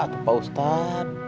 atau pak ustadz